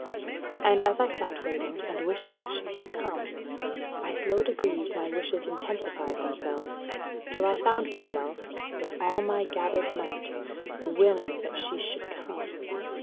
And, as I sat waiting, and wishing she would come, by slow degrees my wishes intensified themselves, till I found myself, with all my gathered might, willing that she should come.